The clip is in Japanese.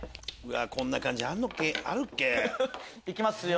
こんな漢字あるっけ？いきますよ